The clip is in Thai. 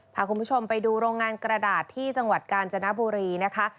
พาคุณผู้ชมไปดูโรงงานกระดาษที่จังหวัดกาญจนบุรีนะคะ